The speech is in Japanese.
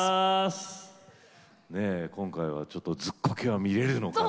今回はちょっとズッコケは見れるのかどうか。